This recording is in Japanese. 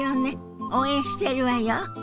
応援してるわよ。